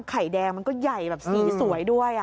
ไข่แดงมันก็ใหญ่แบบสีสวยด้วย